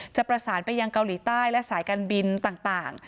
จะประสานไปยังเกาหลีใต้และสายการบินต่าง